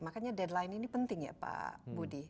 makanya deadline ini penting ya pak budi